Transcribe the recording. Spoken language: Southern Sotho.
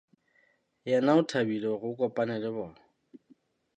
Yena o thabile hore o kopana le bona.